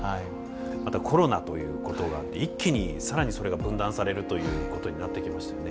またコロナということがあって一気に更にそれが分断されるということになってきましたよね。